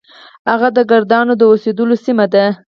هغه د کردانو د اوسیدلو سیمه ده.